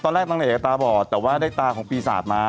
ต่อแรกตั้งแต่อยากจะตาบอดแต่ว่าได้ตาของปีศาจมา